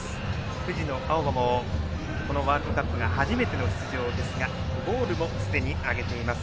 藤野あおばもこのワールドカップが初めての出場ですがゴールもすでに挙げています。